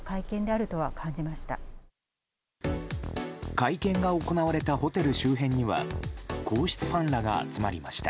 会見が行われたホテル周辺には皇室ファンらが集まりました。